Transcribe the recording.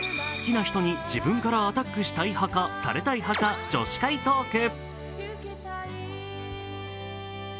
恋愛を描いた映画ということで好きな人に自分からアタックしたい派かされたい派か、女子会トーク。